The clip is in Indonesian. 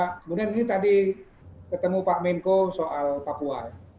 kemudian ini tadi ketemu pak menko soal papua